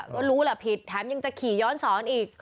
ก็รู้แหละผิดแถมยังจะขี่ย้อนสอนอีก